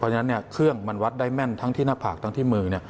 เพราะฉะนั้นเครื่องมันวัดได้แม่นทั้งที่หน้าผากทั้งที่มือ